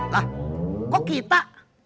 lah kok kita